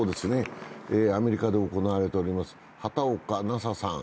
アメリカで行われております、畑岡奈紗さん。